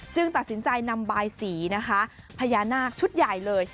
ตัดสินใจนำบายสีนะคะพญานาคชุดใหญ่เลย